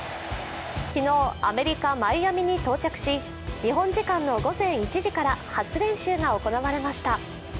昨日、アメリカ・マイアミに到着し、日本時間の午前１時から初練習が行われました。